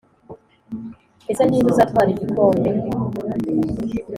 Ese ninde uzatwara igikombe?